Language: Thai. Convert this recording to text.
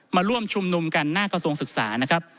มาร่วมชุมนุมกันหน้ากระทรวงศึกษานะครับ